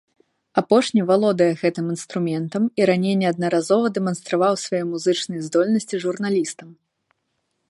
Апошні валодае гэтым інструментам, і раней неаднаразова дэманстраваў свае музычныя здольнасці журналістам.